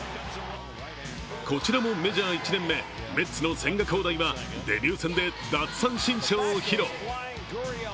こちらもメジャー１年目、メッツの千賀滉大はデビュー戦で奪三振ショーを披露。